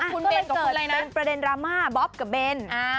คุณเบนก็เปิดเป็นประเด็นดราม่าบ๊อบกับเบน